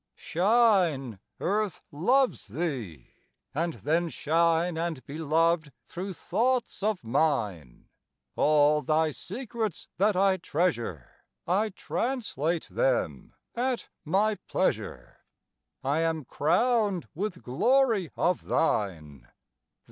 Shine, Earth loves thee! And then shine And be loved through thoughts of mine. All thy secrets that I treasure I translate them at my pleasure. I am crowned with glory of thine.